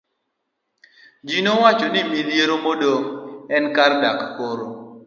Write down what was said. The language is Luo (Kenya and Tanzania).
Ji nowacho ni midhiero maduong' en kar dak koro.